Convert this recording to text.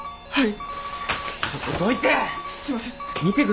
はい。